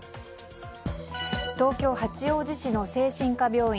東京・八王子市の精神科病院